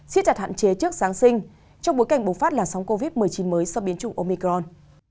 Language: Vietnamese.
siết đặt hạn chế trước sáng sinh trong bối cảnh bột phát là sóng covid một mươi chín mới sau biến chủng omicron